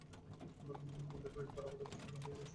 দেখ একবার, আমার লোম খাড়া হয়ে গেছে।